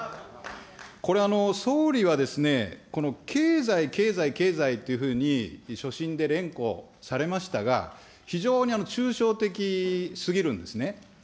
これ、総理は経済、経済、経済というふうに所信で連呼されましたが、非常に抽象的すぎるんですね。